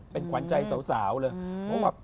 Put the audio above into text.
เป็นขวานใจสาวเพราะว่า